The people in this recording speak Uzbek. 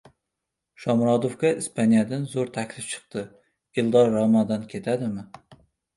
Shomurodovga Ispaniyadan zo‘r taklif chiqdi. Eldor “Roma”dan ketadimi?